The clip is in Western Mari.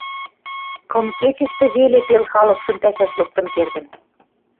Кым кечӹштӹ веле пел халыкшым пӓшӓш лыктын кердӹн.